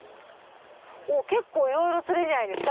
結構いろいろ釣れるんじゃないですか？